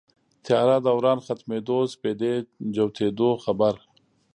تیاره دوران ختمېدو سپېدې جوتېدو خبر